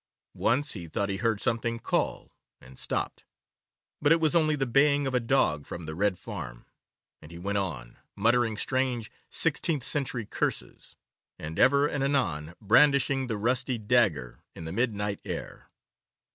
Once he thought he heard something call, and stopped; but it was only the baying of a dog from the Red Farm, and he went on, muttering strange sixteenth century curses, and ever and anon brandishing the rusty dagger in the midnight air.